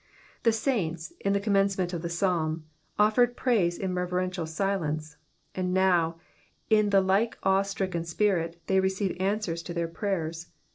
The saints, in the commencement of the Psalm, offered praise in reverential silence ; and now, in the like awe stricken spirit, they receive answers to their prayers.